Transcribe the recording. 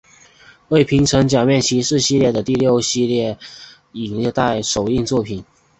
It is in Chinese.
为平成假面骑士系列的第六系列录影带首映作品。